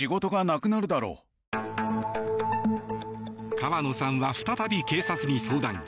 川野さんは再び警察に相談。